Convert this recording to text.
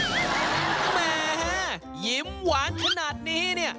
แหมหยิ้มหวานขนาดนี้